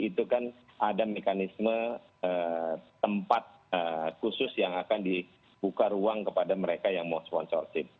itu kan ada mekanisme tempat khusus yang akan dibuka ruang kepada mereka yang mau sponsorship